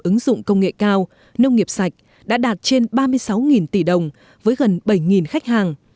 ứng dụng công nghệ cao nông nghiệp sạch đã đạt trên ba mươi sáu tỷ đồng với gần bảy khách hàng